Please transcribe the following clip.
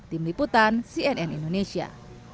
tim liputan cnn indonesia